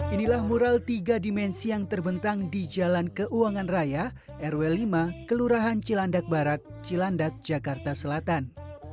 inilah mural tiga dimensi yang terbentang di jalan keuangan raya rw lima kelurahan cilandak barat cilandak jakarta selatan